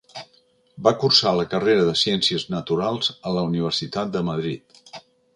Va cursar la carrera de Ciències Naturals a la Universitat de Madrid.